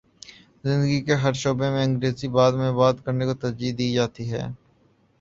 زندگی کے ہر شعبے میں انگریزی میں بات کر نے کو ترجیح دی جاتی ہے